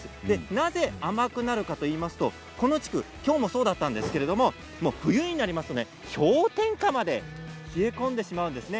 なぜ甘くなるかといいますとこの地区、今日もそうだったんですが冬になりますと氷点下まで冷え込んでしまうんですね。